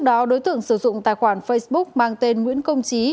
bao đối tượng sử dụng tài khoản facebook mang tên nguyễn công chí